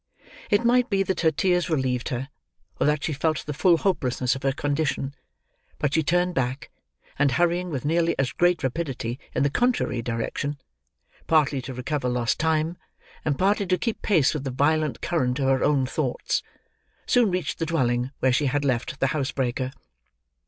It might be that her tears relieved her, or that she felt the full hopelessness of her condition; but she turned back; and hurrying with nearly as great rapidity in the contrary direction; partly to recover lost time, and partly to keep pace with the violent current of her own thoughts: soon reached the dwelling where she had left the housebreaker.